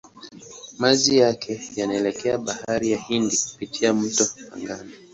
Maji yake yanaelekea Bahari ya Hindi kupitia mto Pangani.